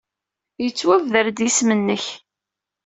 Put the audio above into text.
Yettwabder-d yisem-nnek.